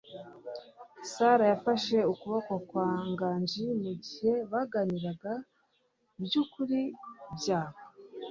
Sarah yafashe ukuboko kwa Nganji mugihe baganiraga kubyukuri byabo.